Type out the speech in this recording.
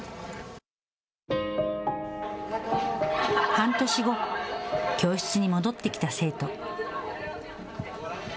半年後、教室に戻ってきた生徒。